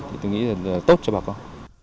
tôi nghĩ là tốt cho bà con